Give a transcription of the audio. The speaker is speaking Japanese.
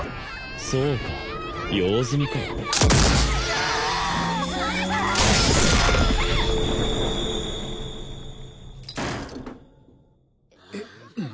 そうか用済みかえっ何？